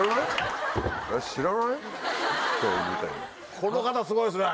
この方すごいですね！